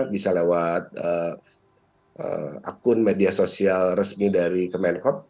bisa lewat akun media sosial resmi dari kemenkop